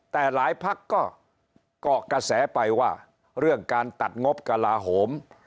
แต่หลายพักก็เกาะกระแสไปว่าเรื่องการตัดงบกระลาโหม